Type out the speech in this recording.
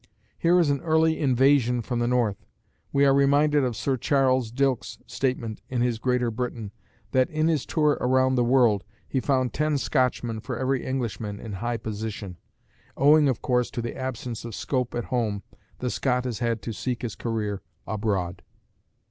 Here is an early "invasion" from the north. We are reminded of Sir Charles Dilke's statement in his "Greater Britain," that, in his tour round the world, he found ten Scotchmen for every Englishman in high position. Owing, of course, to the absence of scope at home the Scot has had to seek his career abroad.